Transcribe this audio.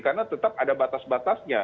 karena tetap ada batas batasnya